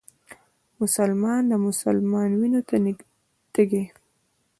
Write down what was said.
مسلمان د مسلمان وينو ته تږی